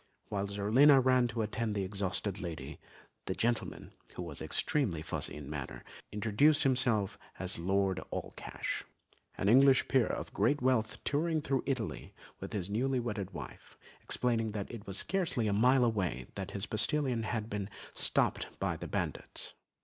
Whilst Zerlina ran to attend to the exhausted lady, the gentleman, who was extremely fussy in manner, introduced himself as Lord Allcash, an English peer of great wealth touring through Italy with his newly wedded wife, explaining that it was scarcely a mile away that their postillion had been stopped by the bandits.